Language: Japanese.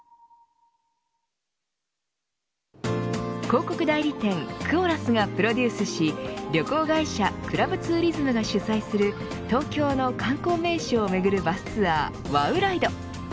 広告代理店クオラスがプロデュースし旅行会社クラブツーリズムが主催する東京の観光名所を巡るバスツアー、ＷＯＷＲＩＤＥ